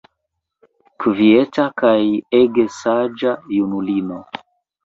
Kvieta kaj ege saĝa junulino.